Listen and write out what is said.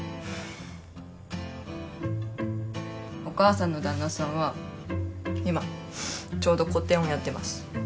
お母さんの旦那さんは今ちょうど個展をやっています。